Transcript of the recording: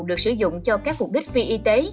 được sử dụng cho các mục đích phi y tế